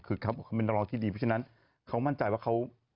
คือเขาบอกเขาเป็นนักร้องที่ดีเพราะฉะนั้นเขามั่นใจว่าเขา